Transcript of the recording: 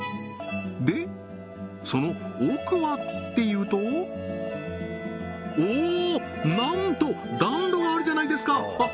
でその奥はっていうとおおっなんと暖炉があるじゃないですかははは！